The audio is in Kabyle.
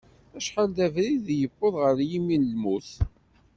Acḥal d abrid i yewweḍ ɣer yimi n lmut.